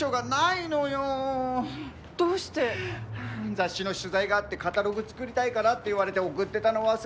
雑誌の取材があってカタログ作りたいからって言われて送ってたの忘れてたの。